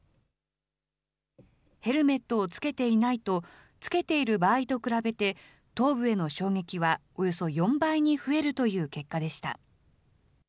ヘルメットを着けていないと、着けている場合と比べて、頭部への衝撃はおよそ４倍に増えるという結果でした。